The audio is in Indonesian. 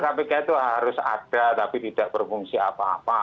kpk itu harus ada tapi tidak berfungsi apa apa